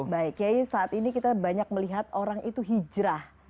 baik kiai saat ini kita banyak melihat orang itu hijrah